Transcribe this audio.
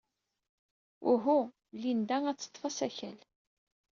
Uhu, Linda ad teḍḍef asakal.